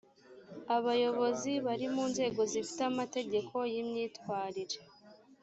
abayobozi bari mu nzego zifite amategeko y imyitwarire